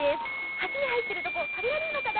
鉢に入っていると食べられるのかな？